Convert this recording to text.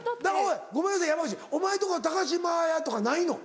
ごめんなさい山内お前のとこは島屋とかないの？